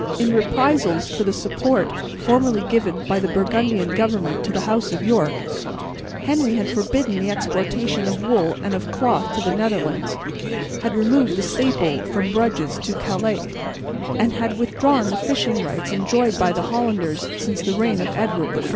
In reprisals for the support formerly given by the Burgundian government to the house of York, Henry had forbidden the exportation of wool and of cloth to the Netherlands, had removed the staple from Bruges to Calais, and had withdrawn the fishing rights enjoyed by the Hollanders since the reign of Edward I.